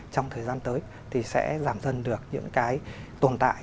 trong thời gian tới thì sẽ giảm dần được những cái tồn tại